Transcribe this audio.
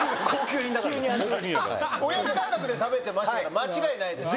急におやつ感覚で食べてましたから間違いないです